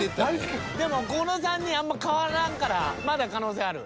［でもこの３人あんま変わらんからまだ可能性ある］